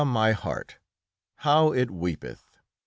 my heart! how it weepeth!"